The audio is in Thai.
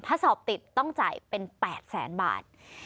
ถ้าสอบติดต้องจ่ายเป็น๘แสนบาท